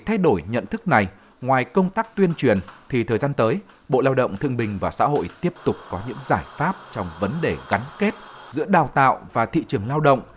để thay đổi nhận thức này ngoài công tác tuyên truyền thì thời gian tới bộ lao động thương bình và xã hội tiếp tục có những giải pháp trong vấn đề gắn kết giữa đào tạo và thị trường lao động